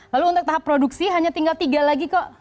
lalu untuk tahap produksi hanya tinggal tiga lagi kok